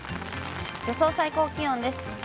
予想最高気温です。